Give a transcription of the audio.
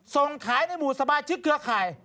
ส่งขายในหมู่สบายชิกเครือข่าย